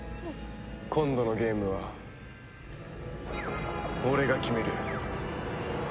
今度のゲームは俺が決める。